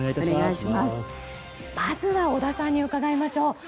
まずは織田さんに伺いましょう。